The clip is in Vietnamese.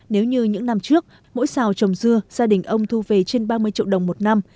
nếu như những năm trước mỗi xào trồng dưa gia đình ông thu về trên ba mươi triệu đồng một năm